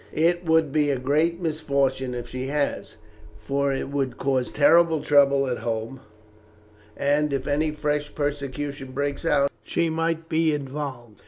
It will be a great misfortune if she has, for it would cause terrible trouble at home, and if any fresh persecution breaks out, she might be involved.